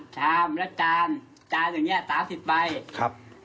แล้วก็ผู้ชมจานอย่างเนี้ย๓๐ใตล์